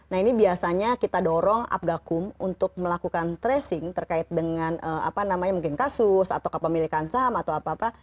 nah ini biasanya kita dorong apgakum untuk melakukan tracing terkait dengan apa namanya mungkin kasus atau kepemilikan saham atau apa apa